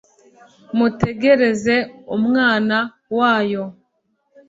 mutegereze Umwana wayo.